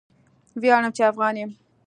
ویاړم چې افغان یم